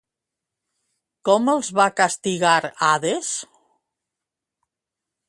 Com els va castigar Hades?